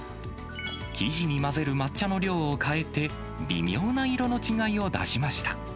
生地に混ぜる抹茶の量を変えて、微妙な色の違いを出しました。